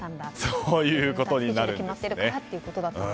そういうことになるんですね。